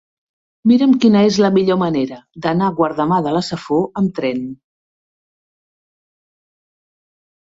Mira'm quina és la millor manera d'anar a Guardamar de la Safor amb tren.